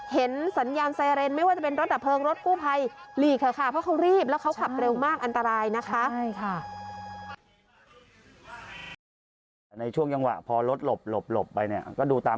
เห็นสัญญาณไซเรนไม่ว่าจะเป็นรถดับเพลิงรถกู้ภัยหลีกเถอะค่ะเพราะเขารีบแล้วเขาขับเร็วมากอันตรายนะคะ